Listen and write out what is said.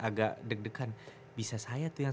agak deg degan bisa saya tuh yang